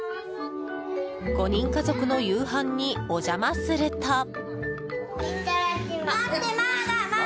５人家族の夕飯にお邪魔すると。